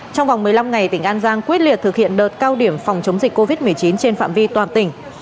trong vòng một mươi năm ngày tỉnh an giang quyết liệt thực hiện đợt cao điểm phòng chống dịch covid một mươi chín trên phạm vi toàn tỉnh